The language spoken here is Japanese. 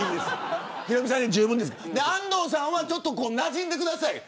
安藤さんはなじんでください